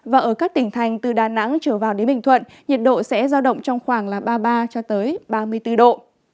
và ở các tỉnh thành từ đà nẵng trở vào đến bình thuận nhiệt độ sẽ giao động trong khoảng ba mươi ba ba mươi bốn độ